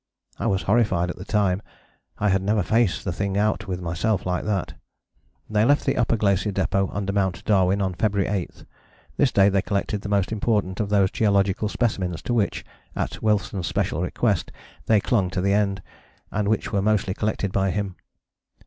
I was horrified at the time: I had never faced the thing out with myself like that. They left the Upper Glacier Depôt under Mount Darwin on February 8. This day they collected the most important of those geological specimens to which, at Wilson's special request, they clung to the end, and which were mostly collected by him.